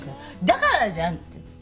だからじゃんって。